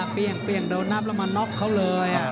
เปี้ยงโดนนับแล้วมาน็อกเขาเลย